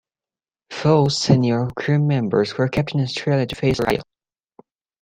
Four senior crew members were kept in Australia to face a jury trial.